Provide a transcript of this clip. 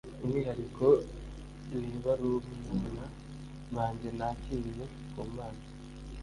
umwihariko ni barumuna banjye nakiriye ku mana.